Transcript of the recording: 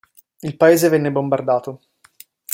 Il paese venne bombardato.